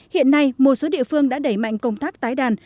hiện nay một số địa phương đã đẩy mạnh công tác tái đàn